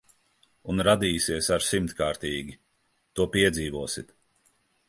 Un radīsies ar simtkārtīgi. To piedzīvosit.